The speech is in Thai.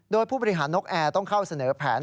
โดยผู้บริหารนกแอร์ต้องเข้าเสนอแผน